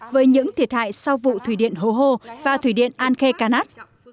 với những thiệt hại sau vụ thủy điện hồ hồ và thủy điện an khe canát